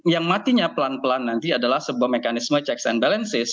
yang matinya pelan pelan nanti adalah sebuah mekanisme checks and balances